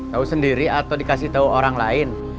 tau sendiri atau dikasih tau orang lain